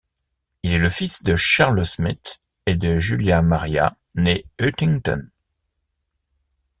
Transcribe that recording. Il est le fils de Charles Smith et de Julia Maria née Huntington.